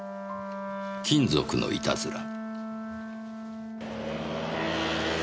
金属のいたずら。